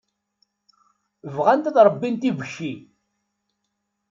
Bɣant ad ṛebbint ibekki.